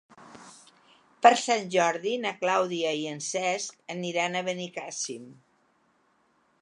Per Sant Jordi na Clàudia i en Cesc aniran a Benicàssim.